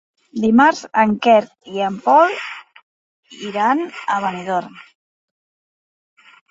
Dimarts en Quer i en Pol iran a Benidorm.